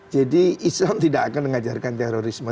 jadi islam tidak akan mengajarkan terorisme